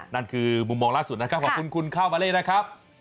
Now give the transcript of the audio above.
นั่นคือมุมมองล่าสุดนะครับขอบคุณคุณข้าวมาเล่นะครับ